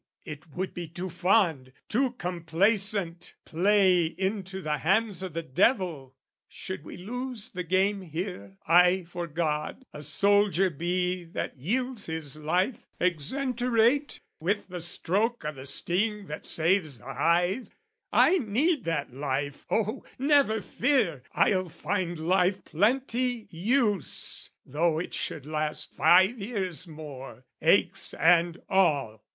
It would be too fond, too complacent play Into the hands o' the devil, should we lose The game here, I for God: a soldier bee That yields his life, exenterate with the stroke O' the sting that saves the hive. I need that life, Oh, never fear! I'll find life plenty use Though it should last five years more, aches and all!